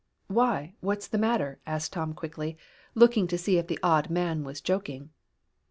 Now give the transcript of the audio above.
"Why, what's the matter?" asked Tom quickly, looking to see if the odd man was joking.